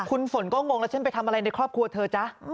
คุณฝนก็งงแล้วฉันไปทำอะไรในครอบครัวเธอจ๊ะ